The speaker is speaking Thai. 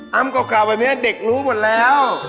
อัมกล่าววันนี้เด็กรู้หมดแล้ว